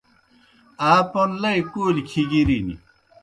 آ پوْن لئی کولیْ کِھگِرِن۔